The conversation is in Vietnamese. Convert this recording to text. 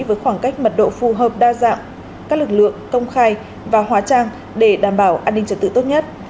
với khoảng cách mật độ phù hợp đa dạng các lực lượng công khai và hóa trang để đảm bảo an ninh trật tự tốt nhất